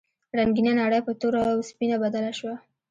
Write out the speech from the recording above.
رنګینه نړۍ په توره او سپینه بدله شوه.